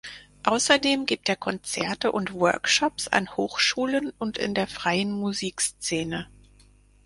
Außerdem gibt er Konzerte und Workshops an Hochschulen und in der freien Musikszene.